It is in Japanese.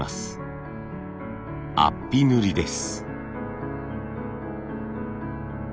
安比塗です。